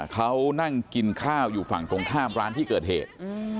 เขานั่งกินข้าวอยู่ฝั่งตรงข้ามร้านที่เกิดเหตุ